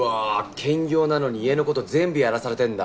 兼業なのに家のこと全部やらされてんだ。